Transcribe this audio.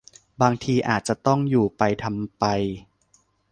บางทีอาจจะต้องอยู่ไปทำไป